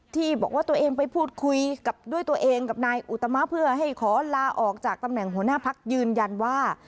ที่บอกว่าตัวเองไปพูดคุยกับด้วยตัวเองกับนายอุตมะเพื่อให้ขอลาออกจากตำแหน่งหัวหน้าพักยืนยันว่า